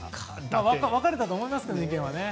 分かれたと思いますけどね意見はね。